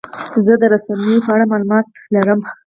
زه د رسنیو په اړه معلومات لرم.